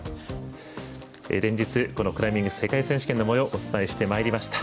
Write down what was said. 連日クライミング世界選手権のもようお伝えしてまいりました。